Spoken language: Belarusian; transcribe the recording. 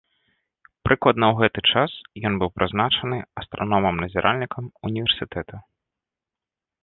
Прыкладна ў гэты час ён быў прызначаны астраномам-назіральнікам універсітэта.